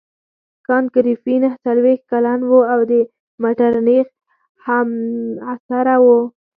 کانت ګریفي نهه څلوېښت کلن وو او د مټرنیخ همعصره وو.